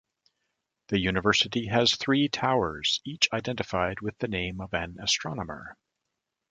The university has three towers, each identified with the name of an astronomer.